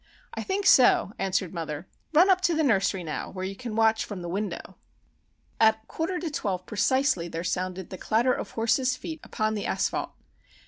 "I think so," answered mother. "Run up to the nursery now, where you can watch from the window." At quarter to twelve precisely there sounded the clatter of horses' feet upon the asphalt.